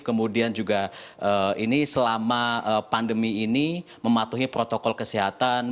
kemudian juga ini selama pandemi ini mematuhi protokol kesehatan